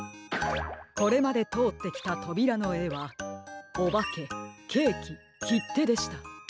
これまでとおってきたとびらのえはおばけケーキきってでした。